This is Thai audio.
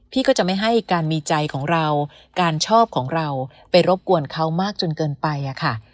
พี่ก็จะไม่ให้การมีใจของเราการชอบของเราไปรบกวนเขามากจนเกินไปอะค่ะ